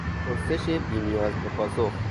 پرسش بی نیاز به پاسخ